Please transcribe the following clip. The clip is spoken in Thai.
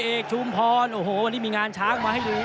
เอกชุมพรโอ้โหวันนี้มีงานช้างมาให้ดู